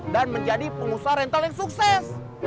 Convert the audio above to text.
dan menjadi pengusaha rental yang sukses